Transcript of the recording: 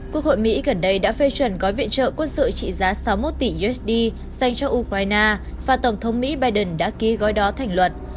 quốc hội mỹ gần đây đã phê chuẩn gói viện trợ quân sự trị giá sáu mươi một tỷ usd dành cho ukraine và tổng thống mỹ biden đã ký gói đó thành luật